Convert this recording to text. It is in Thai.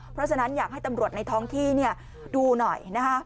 เพราะฉะนั้นอยากให้ตำรวจในท้องที่ดูหน่อยนะคะ